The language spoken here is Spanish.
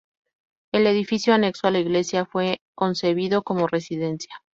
El edificio anexo a la iglesia fue concebido como residencia.